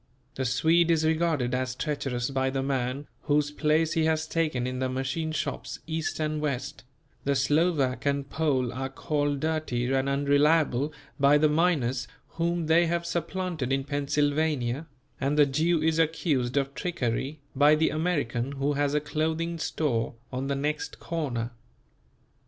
The Swede is regarded as treacherous by the man whose place he has taken in the machine shops East and West; the Slovak and Pole are called dirty and unreliable by the miners whom they have supplanted in Pennsylvania, and the Jew is accused of trickery by the American who has a clothing store on the next corner.